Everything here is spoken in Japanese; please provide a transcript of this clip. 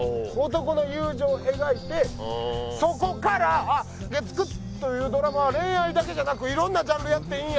男の友情を描いてそこから月９というドラマは恋愛だけじゃなく色んなジャンルやっていいんや。